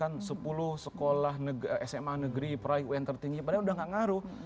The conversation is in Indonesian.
kan sepuluh sekolah sma negeri proyek un tertinggi padahal udah gak ngaruh